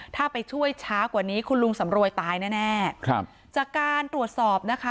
ถ้าไปช่วยช้ากว่านี้คุณลุงสำรวยตายแน่แน่ครับจากการตรวจสอบนะคะ